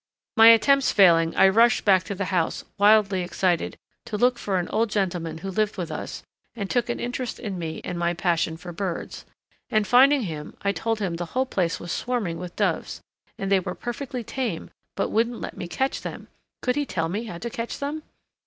My attempts failing I rushed back to the house, wildly excited, to look for an old gentleman who lived with us and took an interest in me and my passion for birds, and finding him I told him the whole place was swarming with doves and they were perfectly tame but wouldn't let me catch them could he tell me how to catch them?